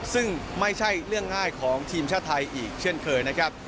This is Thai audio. ซึ่งไม่ใช่เรื่องง่ายของทีมชาติไทยอีกเช่นเคยนะครับ